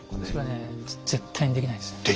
それはね絶対にできないです。